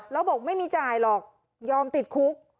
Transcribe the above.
แล้วบอกไม่มีจ่ายหรอกยอมติดคุก